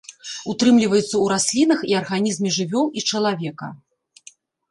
Утрымліваецца ў раслінах і арганізме жывёл і чалавека.